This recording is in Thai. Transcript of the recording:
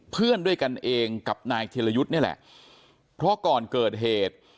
เพื่อนด้วยกันเองกับนายธิรยุทธ์นี่แหละเพราะก่อนเกิดเหตุ